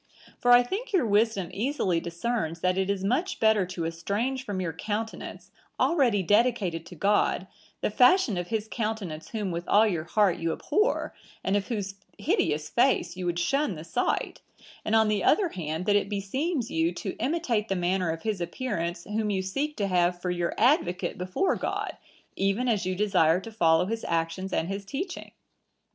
For I think your wisdom easily discerns that it is much better to estrange from your countenance, already dedicated to God, the fashion of his countenance whom with all your heart you abhor, and of whose hideous face you would shun the sight; and, on the other hand, that it beseems you to imitate the manner of his appearance, whom you seek to have for your advocate before God, even as you desire to follow his actions and his teaching.